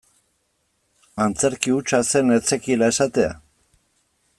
Antzerki hutsa zen ez zekiela esatea?